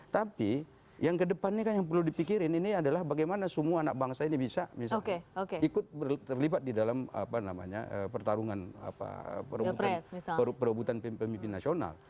tapi yang kedepannya yang perlu dipikirin ini adalah bagaimana semua anak bangsa ini bisa ikut terlibat di dalam pertarungan perebutan pemimpin nasional